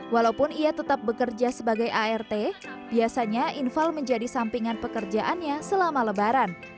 walaupun ia tetap bekerja sebagai art biasanya infal menjadi sampingan pekerjaannya selama lebaran